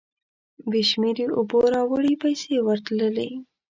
بې شمېرې اوبو راوړې پیسې ورتلې.